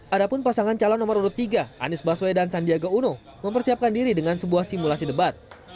ada pun pasangan calon nomor urut tiga anies baswedan sandiaga uno mempersiapkan diri dengan sebuah simulasi debat